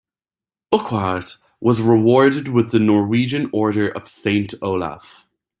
Urquhart was rewarded with the Norwegian Order of Saint Olav.